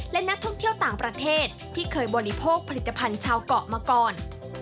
และนักท่องเที่ยวต่างประเทศที่เคยบริโภคผลิตภัณฑ์ชาวเกาะมาก่อน